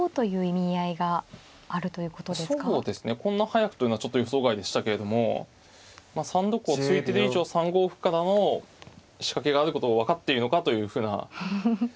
こんな早くというのはちょっと予想外でしたけれども３六を突いてる以上３五歩からの仕掛けがあることを分かっているのかというふうな。